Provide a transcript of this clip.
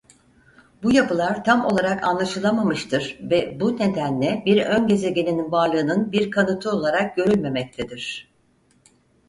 Bu yapılar tam olarak anlaşılamamıştır ve bu nedenle bir öngezegenin varlığının bir kanıtı olarak görülmemektedir.